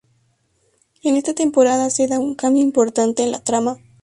En esta temporada se da un cambio importante en la trama.